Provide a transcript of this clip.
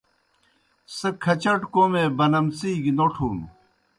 سہ کھچٹوْ کوْمے بَنَمڅی گیْ نوٹُھن۔